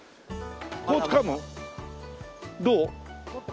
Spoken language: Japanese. こうつかむ？どう？